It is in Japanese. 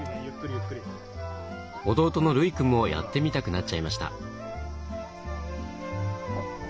弟の琉くんもやってみたくなっちゃいました。